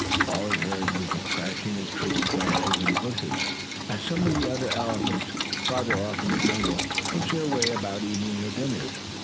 All he heard was the crashing of tree branches and bushes, as some of the other elephants, farther off in the jungle, pushed their way about eating their dinners.